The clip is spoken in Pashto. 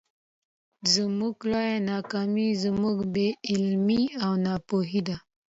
زموږ لويه ناکامي زموږ بې علمي او ناپوهي ده.